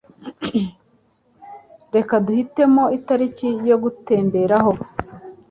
Reka duhitemo itariki yo gutemberaho.